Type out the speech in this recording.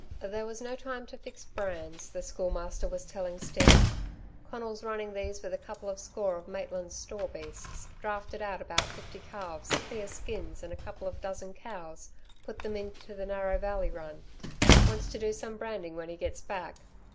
"There was no time to fix brands," the Schoolmaster was telling Steve. "Conal's running these with a couple of score of Maitland's store beasts. Drafted out about fifty calves, clear skins and a couple of dozen cows, put them into the Narrow Valley run wants to do some branding when he gets back.